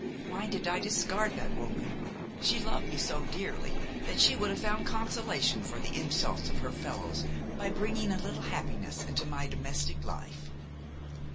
Why did I discard that woman? She loved me so dearly that she would have found consolation for the insults of her fellows by bringing a little happiness into my domestic life."